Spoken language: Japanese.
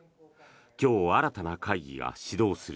今日、新たな会議が始動する。